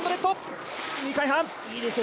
２回半。